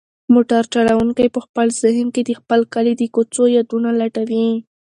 موټر چلونکی په خپل ذهن کې د خپل کلي د کوڅو یادونه لټوي.